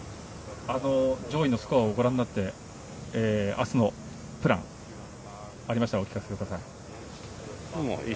上位のスコアをご覧になって明日のプランありましたらお聞かせください。